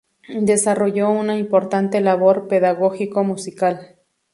Desarrolló una importante labor pedagógico-musical.